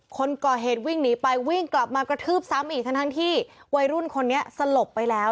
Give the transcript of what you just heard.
คนก่อเหตุวิ่งหนีไปวิ่งกลับมากระทืบซ้ำอีกทั้งที่วัยรุ่นคนนี้สลบไปแล้ว